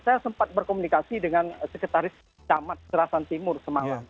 saya sempat berkomunikasi dengan sekretaris kamar serastan timur semalam